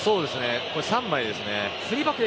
３枚ですね。